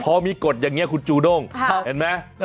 พอมีกฎอย่างนี้คุณจูด้งเห็นไหม